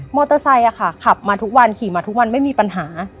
เตอร์ไซค์ขับมาทุกวันขี่มาทุกวันไม่มีปัญหา